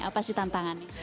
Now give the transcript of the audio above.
apa sih tantangan